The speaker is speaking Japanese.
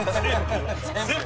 「全部？」